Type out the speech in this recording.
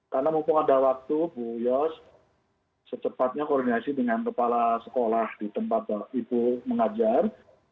karena mumpung ada waktu bu yos secepatnya koordinasi dengan kepala sekolah di tempat ibu mengajar